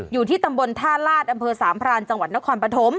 อยู่ที่ตำบลท่าลาศอำเภอสามพรานจังหวัดนครปฐม